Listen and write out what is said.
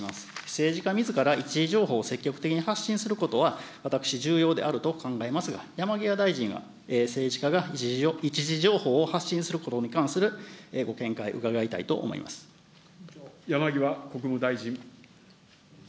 政治家みずから一次情報を積極的に発信することは、私、重要であると考えますが、山際大臣は、政治家が一次情報を発信することに関するご見解、伺いたいと思い山際国務大臣。